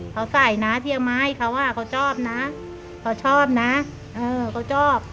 เขาใส่นะเทียงไม้เขาว่าเขาชอบนะเขาชอบนะเออเขาชอบ